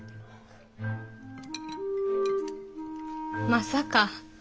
まさか。